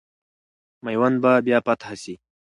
میوند به بیا فتح سي.